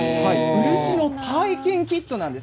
漆の体験キットです。